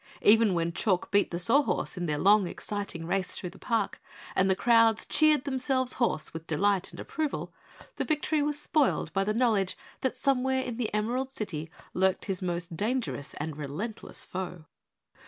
Even when Chalk beat the Sawhorse in their long, exciting race through the park, and the crowds cheered themselves hoarse with delight and approval, the victory was spoiled by the knowledge that somewhere in the Emerald City lurked his most dangerous and relentless foe.